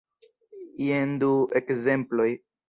Jen du ekzemploj.